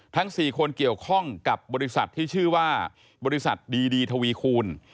ทั้ง๔คนเกี่ยวข้องกับบริษัทที่ชื่อว่าบริษัทดีทวีคูณ